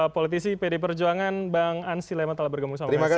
politisi pd perjuangan bang ansi lema telah bergabung sama kami